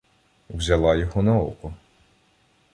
Взяла його на око.